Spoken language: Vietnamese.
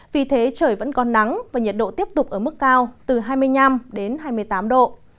vì thế trời vẫn có nắng và nhiệt độ tiếp tục ở mức cao từ hai mươi năm đến hai mươi tám độ